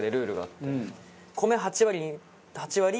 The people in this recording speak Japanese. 米８割８割。